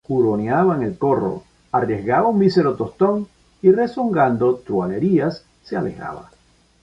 huroneaba en el corro, arriesgaba un mísero tostón, y rezongando truhanerías se alejaba.